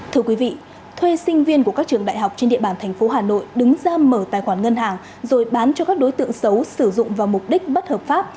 thưa quý vị thuê sinh viên của các trường đại học trên địa bàn thành phố hà nội đứng ra mở tài khoản ngân hàng rồi bán cho các đối tượng xấu sử dụng vào mục đích bất hợp pháp